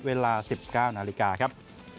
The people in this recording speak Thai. เวลา๑๙นาฬิกาครับ